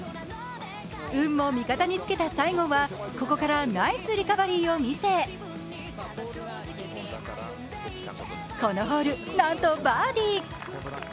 運も味方につけた西郷はここからナイスリカバリーを見せこのホール、なんとバーディー。